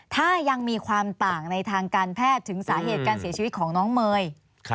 ถ้ายังมีความต่างในทางการแพทย์ถึงสาเหตุการเสียชีวิตของน้องเมย์